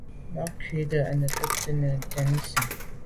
Bwɔ́ŋkə́’ cɛ̌d cúptə́ â nə̀ cúptə́ bú gə́ tɛ̌n zí.